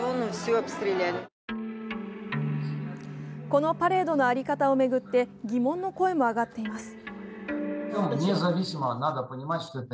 このパレードの在り方を巡って疑問の声も上がっています。